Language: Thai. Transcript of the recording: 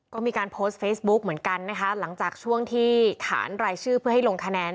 ก็มีการโพสต์เฟซบุ๊กเหมือนกันนะคะหลังจากช่วงที่ขานรายชื่อเพื่อให้ลงคะแนน